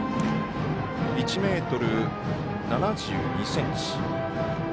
１ｍ７２ｃｍです